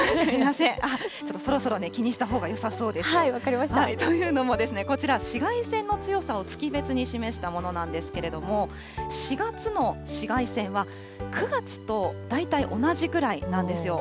ちょっとそろそろ気にしたほうがよさそうですよ。というのも、こちら、紫外線の強さを月別に示したものなんですけれども、４月の紫外線は、９月と大体同じぐらいなんですよ。